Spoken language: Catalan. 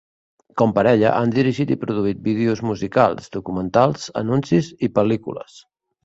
Com parella, han dirigit i produït vídeos musicals, documentals, anuncis i pel·lícules.